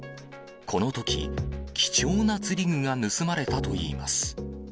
このとき、貴重な釣り具が盗まれたといいます。